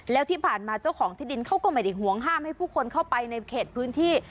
แล้วที่ผ่านมาเจ้าของที่ดินเขาก็ไม่ได้ห่วงห้ามให้ผู้คนเข้าไปในเขตพื้นที่